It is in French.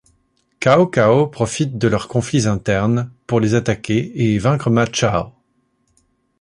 Cao Cao profite de leurs conflits internes pour les attaquer et vaincre Ma Chao.